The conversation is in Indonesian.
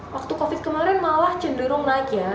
waktu covid kemarin malah cenderung naik ya